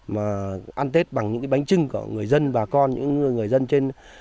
mà ăn tết bằng những cái bánh trưng của người dân và con những người dân trên